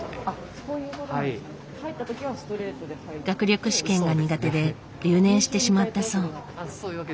学力試験が苦手で留年してしまったそう。